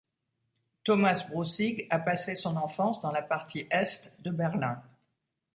Thomas Brussig a passé son enfance dans la partie Est de Berlin.